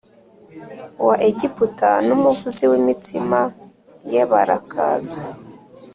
wa Egiputa n umuvuzi w imitsima ye barakaza